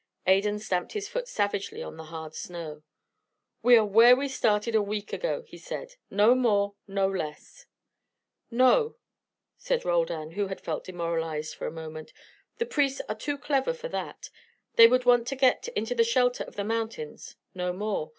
Adan stamped his foot savagely on the hard snow. "We are where we started a week ago," he said. "No more, no less." "No," said Roldan, who also had felt demoralised for a moment. "The priests were too clever for that. They would want to get into the shelter of the mountains, no more.